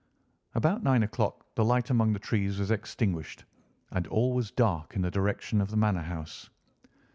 About nine o'clock the light among the trees was extinguished, and all was dark in the direction of the Manor House.